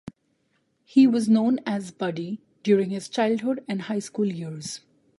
He was known as "Buddy" during his childhood and high school years.